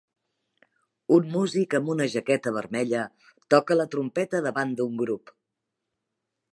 Un músic amb una jaqueta vermella toca la trompeta davant d'un grup.